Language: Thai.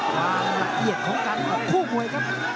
ความละเอียดของการคู่มวยครับ